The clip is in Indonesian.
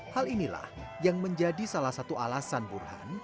hal inilah yang menjadi salah satu alasan burhan